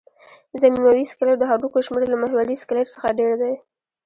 ضمیموي سکلېټ د هډوکو شمېر له محوري سکلېټ څخه ډېر دی.